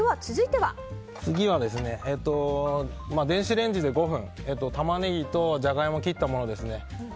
次は、電子レンジで５分タマネギとジャガイモを切ったものですね。